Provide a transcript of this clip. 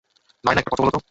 নায়না, একটা কথা বল তো।